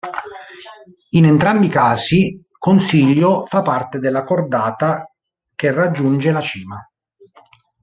In entrambi i casi Consiglio fa parte della cordata che raggiunge la cima.